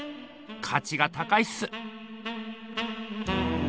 価値が高いっす。